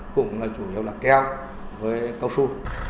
cũng là chủ yếu là keo với cao su